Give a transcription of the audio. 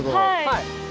はい。